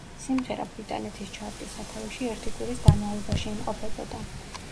სიმღერა ბრიტანეთის ჩარტის სათავეში ერთი კვირის განმავლობაში იმყოფებოდა.